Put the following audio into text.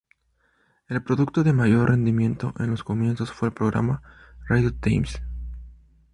El producto de mayor rendimiento en los comienzos fue el programa "Radio Times".